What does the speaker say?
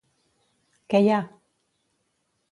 Què hi ha?